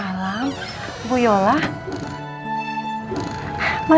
nah olu kita berangkat